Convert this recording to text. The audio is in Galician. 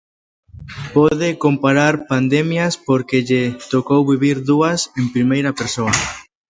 Pode comparar pandemias, porque lle tocou vivir dúas en primeira persoa.